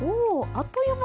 あっという間。